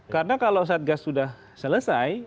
karena kalau satgas sudah selesai